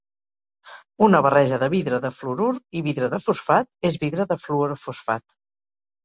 Una barreja de vidre de fluorur i vidre de fosfat és vidre de fluorofosfat.